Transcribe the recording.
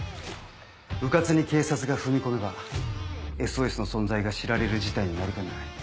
うかつに警察が踏み込めば「ＳＯＳ」の存在が知られる事態になりかねない。